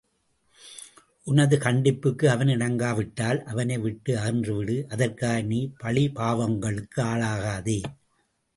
உனது கண்டிப்புக்கு அவன் இணங்காவிட்டால் அவனை விட்டு அகன்று விடு அதற்காக, நீ பழிபாவங்களுக்கு ஆளாகாதே.